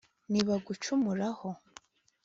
nibagucumuraho